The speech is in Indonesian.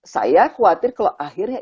saya khawatir kalau akhirnya